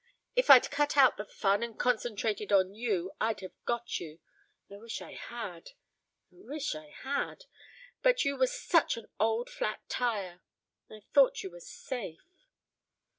If I'd cut out the fun and concentrated on you I'd have got you. I wish I had! I wish I had! But you were such an old flat tyre I thought you were safe."